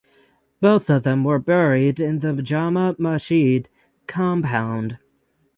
Both of them were buried in the Jama Masjid compound.